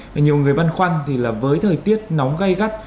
và nhiều người băn khoăn thì là với thời tiết nóng gây gắt